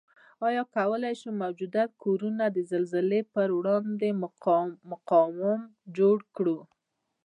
آیا کوای شو موجوده کورنه د زلزلې پروړاندې مقاوم جوړ کړو؟